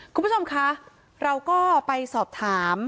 คุณผู้ชมคะเราก็ไปสอบถาม